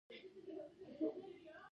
د لاسکو غار یوه مشهور نقاشي هم شته.